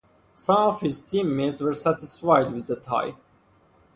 Some of his teammates were satisfied with a tie.